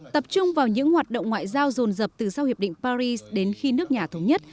tập trung vào những hoạt động ngoại giao rồn rập từ sau hiệp định paris đến khi nước nhà thống nhất